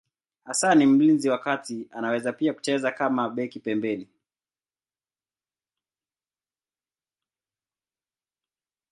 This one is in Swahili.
Hasa ni mlinzi wa kati, anaweza pia kucheza kama beki wa pembeni.